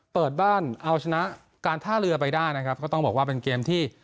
เปิดบ้านเอาชนะการท่าเรือไปได้นะครับก็ต้องบอกว่าเป็นเกมที่